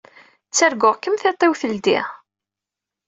Ttarguɣ-kem tiṭ-iw teldi.